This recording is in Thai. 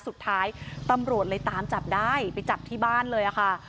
สุดท้ายตำรวจเลยตามจับได้ไปจับที่บ้านเลยค่ะ